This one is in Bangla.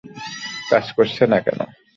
কাজ করছে না কেন?